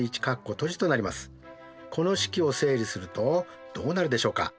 この式を整理するとどうなるでしょうか？